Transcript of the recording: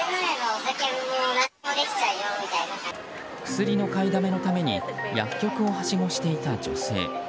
薬の買いだめのために薬局をはしごしていた女性。